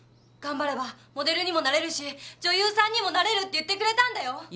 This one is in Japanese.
頑張ればモデルにもなれるし女優さんにもなれるって言ってくれたんだよ！